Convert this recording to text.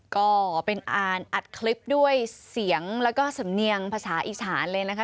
ก็เป็นอ่านอัดคลิปด้วยเสียงแล้วก็สำเนียงภาษาอีสานเลยนะคะ